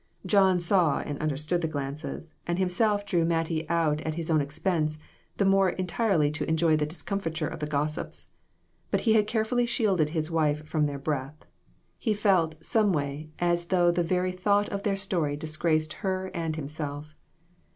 John saw and understood the glances, and him self drew Mattie out at his own expense, the more entirely to enjoy the discomfiture of the gossips. But he had carefully shielded his wife from their breath. He felt, someway, as though the very thought of their story disgraced her and himself.